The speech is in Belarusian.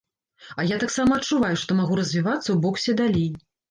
А я таксама адчуваю, што магу развівацца ў боксе далей.